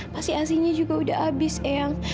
pasti asinya juga udah habis eyang